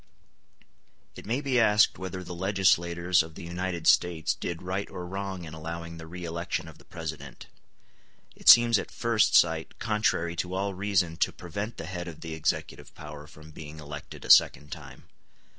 It may be asked whether the legislators of the United States did right or wrong in allowing the re election of the President. It seems at first sight contrary to all reason to prevent the head of the executive power from being elected a second time.